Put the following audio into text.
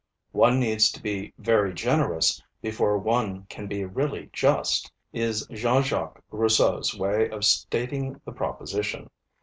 'One needs to be very generous before one can be really just' is Jean Jacques Rousseau's way of stating the proposition.